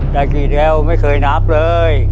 ได้กี่แก้วไม่เคยนับเลย